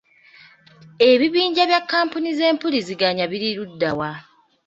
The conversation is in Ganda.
Ebibinja bya kampuni zempuliziganya biri luddawa?